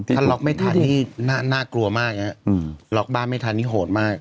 ถ้าล็อกไม่ทันนี่น่ากลัวมากล็อกบ้านไม่ทันนี่โหดมาก